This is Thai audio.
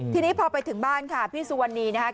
ทีนี้พอไปถึงบ้านค่ะพี่สุวรรณีนะครับ